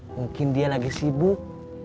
mungkin dia lagi sibuk